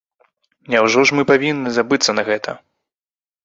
Няўжо ж мы павінны забыцца на гэта.